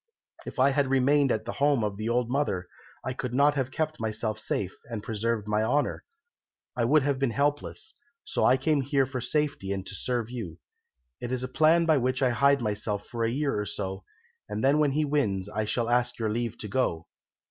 If I had remained at the home of the old mother I could not have kept myself safe, and preserved my honour; I would have been helpless; so I came here for safety and to serve you. It is a plan by which to hide myself for a year or so, and then when he wins I shall ask your leave to go."